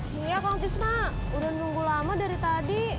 iya kang tisna udah nunggu lama dari tadi